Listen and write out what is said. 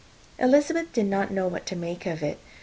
Elizabeth did not know what to make of it.